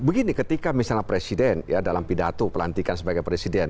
begini ketika misalnya presiden ya dalam pidato pelantikan sebagai presiden